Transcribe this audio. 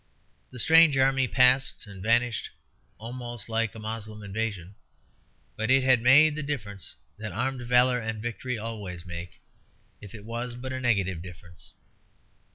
The strange army passed and vanished almost like a Moslem invasion; but it had made the difference that armed valour and victory always make, if it was but a negative difference.